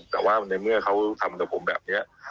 แต่ว่าในเมื่อเขาทำกับผมแบบนี้